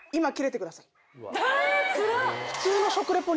つらっ！